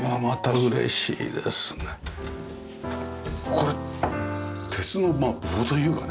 これ鉄の棒というかね。